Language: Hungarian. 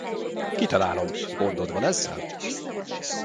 Kitalálom, gondod van ezzel?